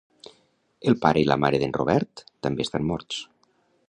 El pare i la mare d'en Robert també estan morts.